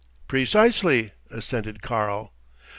"Precisely," assented "Karl."